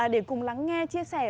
để cùng lắng nghe chia sẻ